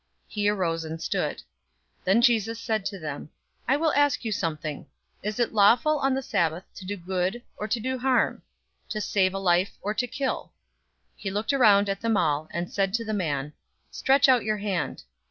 He arose and stood. 006:009 Then Jesus said to them, "I will ask you something: Is it lawful on the Sabbath to do good, or to do harm? To save a life, or to kill?" 006:010 He looked around at them all, and said to the man, "Stretch out your hand."